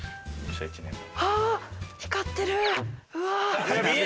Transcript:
光ってる！